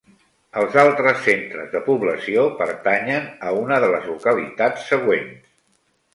Els altres centres de població pertanyen a una de les localitats següents.